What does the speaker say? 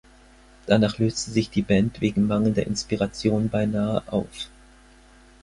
Danach löste sich die Band wegen mangelnder Inspiration beinahe auf.